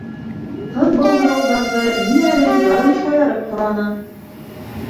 — Ҡыҙ был һорауҙарҙы ниңәлер ярым шаяртып һораны.